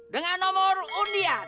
dengan nomor undian